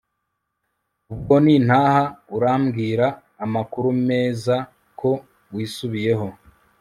ubwo nintaha urambwira amakuru meza ko wisubiyeho